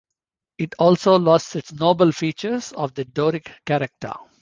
It also lost its "noble features of the Doric character".